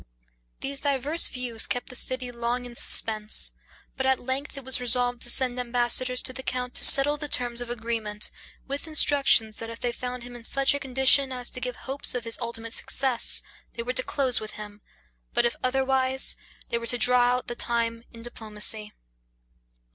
These diverse views kept the city long in suspense; but at length it was resolved to send ambassadors to the count to settle the terms of agreement, with instructions, that if they found him in such a condition as to give hopes of his ultimate success, they were to close with him, but, if otherwise, they were to draw out the time in diplomacy.